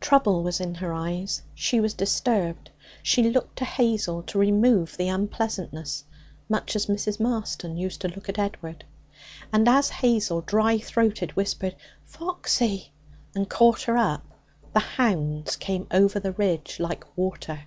Trouble was in her eyes. She was disturbed. She looked to Hazel to remove the unpleasantness, much as Mrs. Marston used to look at Edward. And as Hazel, dry throated, whispered 'Foxy!' and caught her up, the hounds came over the ridge like water.